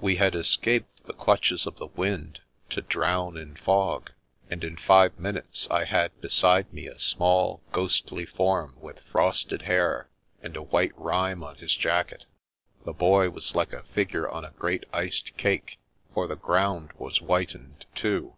We had escaped the clutches of the wind, to drown in fog, and in five minutes I had beside me a small, ghostly form with frosted hair, and a white rime on his jacket. The Boy was like a figure on a great iced cake, for the ground was whitened too.